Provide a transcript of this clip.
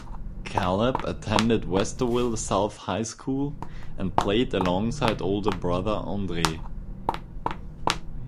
Kaleb attended Westerville South High School and played alongside older brother Andre.